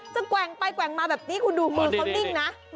แกว่งไปแกว่งมาแบบนี้คุณดูมือเขานิ่งนะ